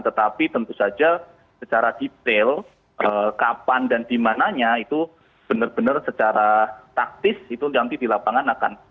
tetapi tentu saja secara detail kapan dan dimananya itu benar benar secara taktis itu nanti di lapangan akan